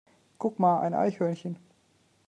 Guck mal, ein Eichhörnchen!